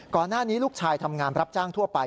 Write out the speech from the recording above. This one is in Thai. ก่อนหน้านี้ลูกชายทำงานรับจ้างทั่วไป